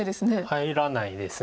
入らないです。